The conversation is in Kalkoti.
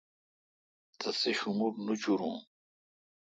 تسے°شمور نچُورِن